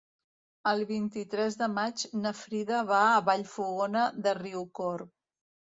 El vint-i-tres de maig na Frida va a Vallfogona de Riucorb.